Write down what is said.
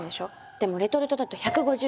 でもレトルトだと１５０円。